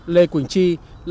lê quỳnh tri lần đầu thăm dự